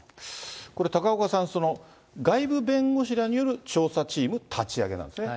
これ高岡さん、外部弁護士らによる調査チーム立ち上げなんですね。